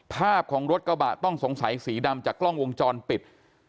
ภาพของรถกระบะต้องสงสัยสีดำจากกล้องวงจรปิด